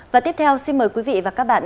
và tiếp theo xin mời quý vị và các bạn